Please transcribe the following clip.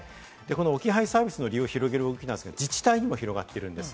置き配サービスの利用を広げる動きですが自治体にも広がっています。